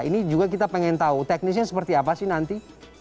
ini juga kita pengen tahu teknisnya seperti apa sih nanti